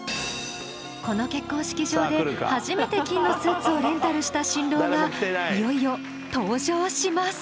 この結婚式場で初めて金のスーツをレンタルした新郎がいよいよ登場します！